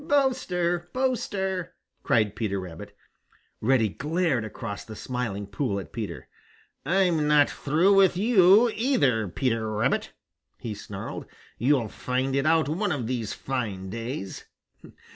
"Boaster! Boaster!" cried Peter Rabbit. Reddy glared across the Smiling Pool at Peter. "I'm not through with you either, Peter Rabbit!" he snarled. "You'll find it out one of these fine days!"